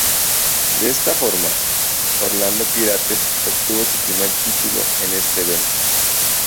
De esta forma, Orlando Pirates obtuvo su primer título en este evento.